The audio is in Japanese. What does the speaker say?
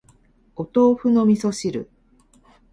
お豆腐の味噌汁